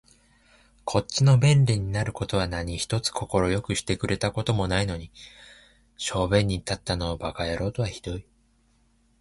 こっちの便利になる事は何一つ快くしてくれた事もないのに、小便に立ったのを馬鹿野郎とは酷い